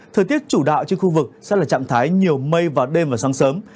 thời tiết chủ đạo trên khu vực sẽ là trạng thái nhiều mây vào đêm và sáng sớm